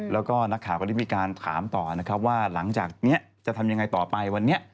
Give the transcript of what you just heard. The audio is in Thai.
แล้วก็นักข่าวก็ได้มีการถามต่อนะครับว่าหลังจากนี้จะทำยังไงต่อไปวันนี้